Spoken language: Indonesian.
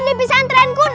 lebih santren kun